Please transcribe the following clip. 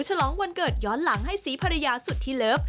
ฉลองวันเกิดย้อนหลังให้ศรีภรรยาสุดที่เลิฟ